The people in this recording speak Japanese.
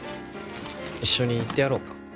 一緒に行ってやろうか？